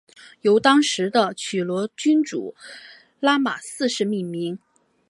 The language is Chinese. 由当时的暹罗君主拉玛四世命名。